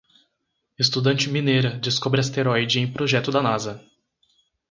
Estudante mineira descobre asteroide em projeto da Nasa